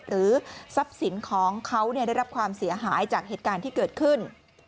หรือทรัพย์สินของเขาได้รับความเสียหายจากเหตุการณ์ที่เกิดขึ้น